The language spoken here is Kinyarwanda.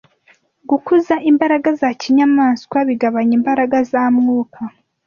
Gukuza imbaraga za kinyamaswa bigabanya imbaraga za Mwuka